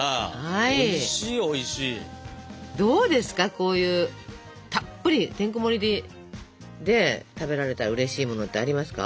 こういうたっぷりてんこもりで食べられたらうれしいものってありますか？